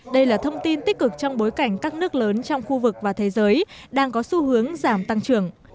đây là thông tin tích cực trong bối cảnh các nước lớn trong khu vực và thế giới đang có xu hướng giảm tăng trưởng